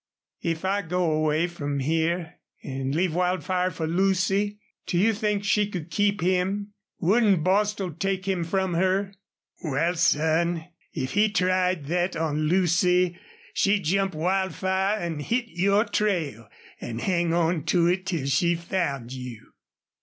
"If I go away from here an' leave Wildfire for Lucy do you think she could keep him? Wouldn't Bostil take him from her?" "Wal, son, if he tried thet on Lucy she'd jump Wildfire an' hit your trail an' hang on to it till she found you."